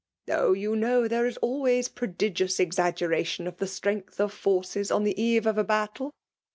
*'*' Oh ! you know there is always prodigiow exaggeration of the strength of forces, on the eve of a battle.